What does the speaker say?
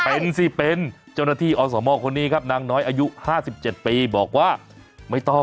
เป็นสิเป็นเจ้าหน้าที่อสมคนนี้ครับนางน้อยอายุ๕๗ปีบอกว่าไม่ต้อง